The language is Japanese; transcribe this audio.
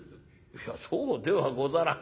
「そうではござらん。